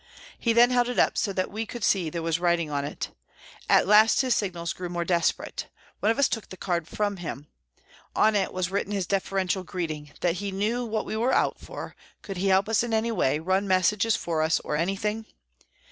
He then held it up, so that we could see there was writing on it. At last his signals grew more desperate. One of us took the card from him. On it was written his deferential greeting, that he knew what we were out for, could he help us in any way, run messages for us or any thing